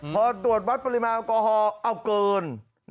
พอตรวจวัดปริมาณแอลกอฮอลเอาเกิน